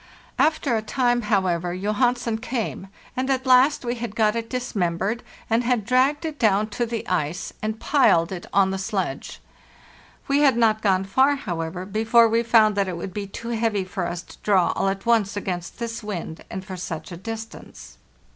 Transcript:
After a time, however, Johan sen came, and at last we had got it dismembered, and had dragged it down to the ice and piled it on the sledge. We had not gone far, however, before we found that it would be too heavy for us to draw all at once against this wind and for such a distance.